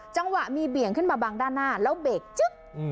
จังหวะมีเบี่ยงขึ้นมาบังด้านหน้าแล้วเบรกจึ๊บ